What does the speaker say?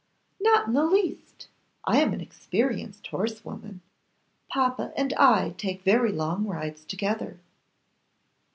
'Not in the least! I am an experienced horsewoman. Papa and I take very long rides together.